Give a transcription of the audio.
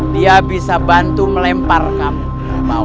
dia bisa bantu melempar kamu